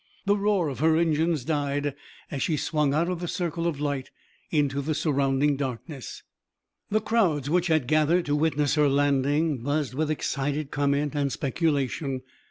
The roar of her engines died as she swung out of the circle of light into the surrounding darkness. The crowds which had gathered to witness her landing buzzed with excited comment and speculation.